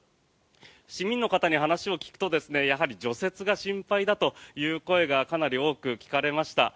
市民の方に話を聞くとやはり除雪が心配だとかなり多く聞かれました。